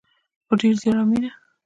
په ډیر زیار او مینه.